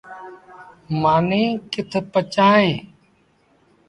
مآݩيٚ ڪٿ پڇائيٚݩ۔